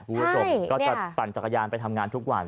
คุณผู้ชมก็จะปั่นจักรยานไปทำงานทุกวัน